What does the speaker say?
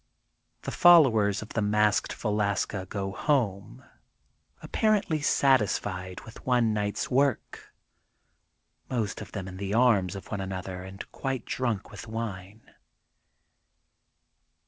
The followers of the masked Velaska go home, apparently satisfied with one night 's work, most of them in the arms of one another and quite drunk with wine.